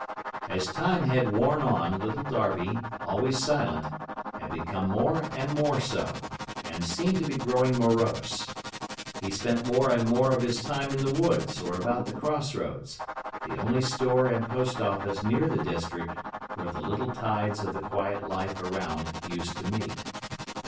As time had worn on, Little Darby, always silent, had become more and more so, and seemed to be growing morose. He spent more and more of his time in the woods or about the Cross roads, the only store and post office near the district where the little tides of the quiet life around used to meet.